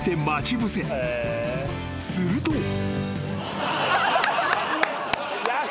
［すると］